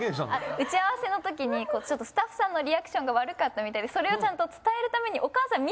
打ち合わせのときにちょっとスタッフさんのリアクションが悪かったみたいでそれをちゃんと伝えるために。